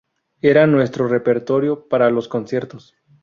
Era nuestro repertorio para los conciertos.